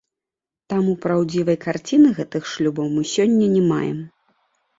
Таму праўдзівай карціны гэтых шлюбаў мы сёння не маем.